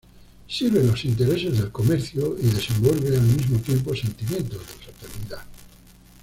Sirve los intereses del comercio y desenvuelve al mismo tiempo sentimientos de fraternidad.